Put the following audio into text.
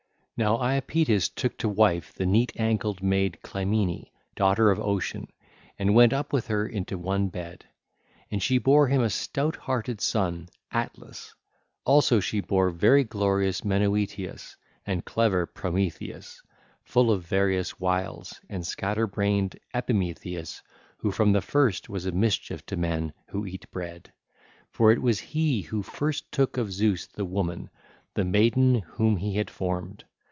(ll. 507 543) Now Iapetus took to wife the neat ankled mad Clymene, daughter of Ocean, and went up with her into one bed. And she bare him a stout hearted son, Atlas: also she bare very glorious Menoetius and clever Prometheus, full of various wiles, and scatter brained Epimetheus who from the first was a mischief to men who eat bread; for it was he who first took of Zeus the woman, the maiden whom he had formed.